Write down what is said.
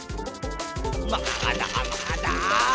まだまだ！